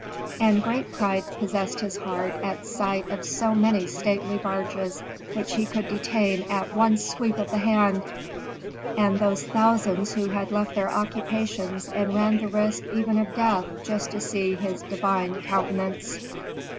And great pride possessed his heart at sight of so many stately barges which he could detain at one sweep of the hand, and those thousands who had left their occupations and ran the risk even of death just to see his divine countenance.